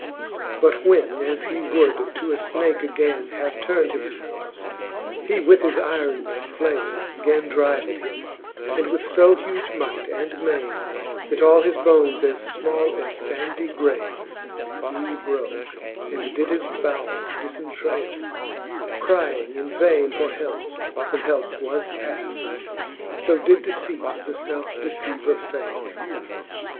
XIX. But when sf3 he would to a fnake againe Have turn'd himfelfe, he with his yron ilayle Gan drive at him with fo huge might and maine, That all his bones, as fmall as fandy grayle He broke, and did his bowels difentrayle ; Crying in vaine for helpe, when helpe was paft. So did deceipt the felfe deceiver fayle.